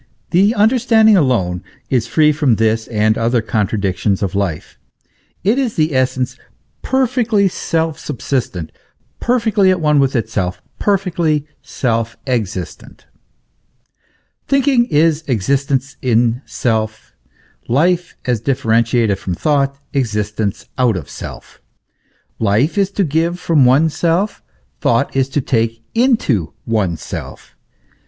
The understanding alone is free from this and other contradictions of life ; it is the essence perfectly self subsistent, perfectly at one with itself, perfectly self existentf Thinking is existence in self; life, as differenced from thought, exist ence out of self; life is to give from oneself, thought is to take into oneself.